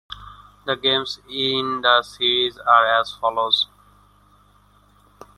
The games in the series are as follows.